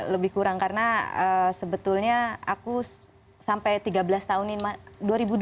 lebih kurang karena sebetulnya aku sampai tiga belas tahun ini